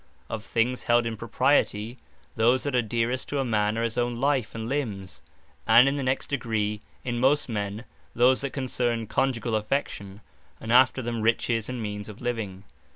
Of things held in propriety, those that are dearest to a man are his own life, & limbs; and in the next degree, (in most men,) those that concern conjugall affection; and after them riches and means of living.